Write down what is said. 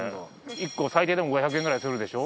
１個最低でも５００円くらいするでしょ？